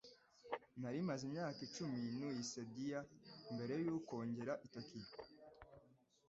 Nari maze imyaka icumi ntuye i Sendai mbere yuko ngera i Tokiyo.